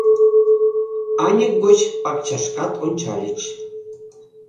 Аньык гоч пакчашкат ончальыч.